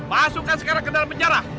masukkan sekarang ke dalam penjara